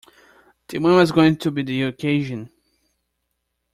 The man was going to be the occasion.